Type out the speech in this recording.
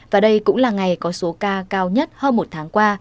và đây cũng là ngày có số ca cao nhất hơn một tháng qua